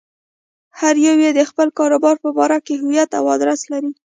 هر يو يې د خپل کاروبار په باره کې هويت او ادرس لري.